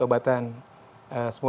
sejalan dengan penemuan obat obatan